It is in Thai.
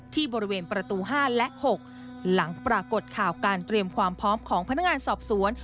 ที่บริเวณประตู๕และ๖หลังปรากฏข่าวการเตรียมความพร้อมของพนักงานสอบสวน